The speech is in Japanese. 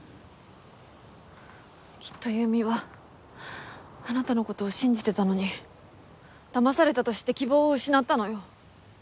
きっと優美はあなたの事を信じてたのにだまされたと知って希望を失ったのよ。